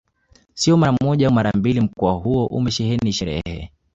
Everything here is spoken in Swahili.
Sio mara moja au mbili mkoa huo umesheheni sherehe